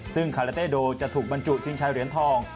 ซึ่งคาราเต้โดจะถูกบรรจุชิงชายเหรียญทอง